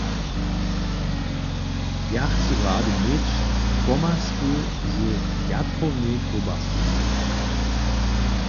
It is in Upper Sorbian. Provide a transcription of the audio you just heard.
Ja chcu rady měć pomazku z jatrowej kołbasu.